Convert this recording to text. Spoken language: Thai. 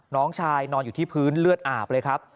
น้องชายนอนอยู่ที่พื้นเลือดอาบเลยครับ